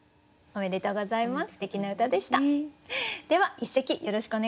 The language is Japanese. おめでとうございます。